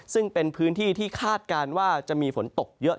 ซึ่งเป็นพื้นที่ที่คาดการณ์ว่าจะมีฝนตกเยอะ